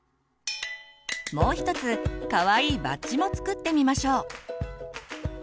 もう一つかわいいバッジも作ってみましょう。